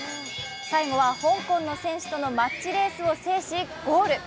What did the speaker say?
最後は香港の選手とのマッチレースを制しゴール。